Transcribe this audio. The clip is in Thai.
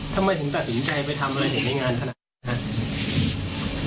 ทำไมถึงตัดสินใจไปทำอะไรถึงในงานขนาดนี้ครับ